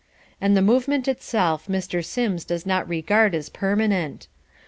And the movement itself Mr. Sims does not regard as permanent.